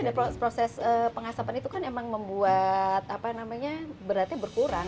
jadi proses pengasapan itu kan emang membuat beratnya berkurang